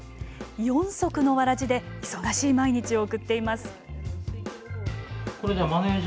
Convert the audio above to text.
四足のわらじで忙しい毎日を送っています。